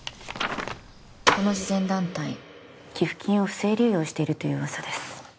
この慈善団体寄付金を不正流用しているという噂です